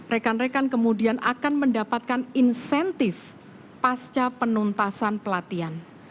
rekan rekan kemudian akan mendapatkan insentif pasca penuntasan pelatihan